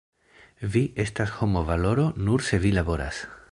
Vi estas homo valoro nur se vi laboras.